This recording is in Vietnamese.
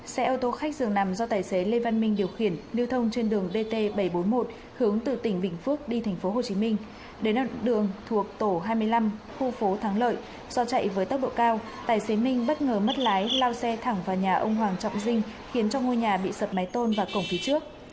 xe ô tô khách dường nằm do tài xế lê văn minh điều khiển lưu thông trên đường dt bảy trăm bốn mươi một hướng từ tỉnh bình phước đi tp hcm đến đoạn đường thuộc tổ hai mươi năm khu phố thắng lợi do chạy với tốc độ cao tài xế minh bất ngờ mất lái lao xe thẳng vào nhà ông hoàng trọng dinh khiến cho ngôi nhà bị sập máy tôn và cổng phía trước